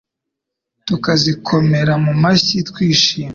tukazikomera mu mashyi twishimye.